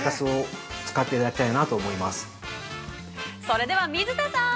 ◆それでは水田さん！